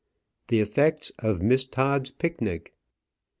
THE EFFECTS OF MISS TODD'S PICNIC.